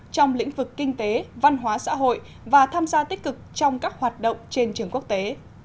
trong lĩnh vực kinh tế văn hóa xã hội và tham gia tích cực trong các hoạt động trên trường quốc tế